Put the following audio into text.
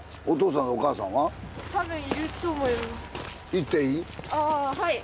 お父さんとお母さんは？